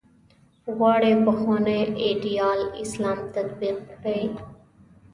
غواړي پخوانی ایدیال اسلام تطبیق کړي.